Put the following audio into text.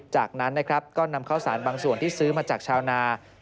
จากนั้นนะครับก็นำข้าวสารบางส่วนที่ซื้อมาจากชาวนา